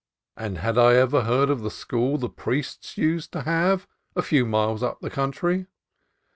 And had I ever heard of the school the priests used to have a few miles up the country?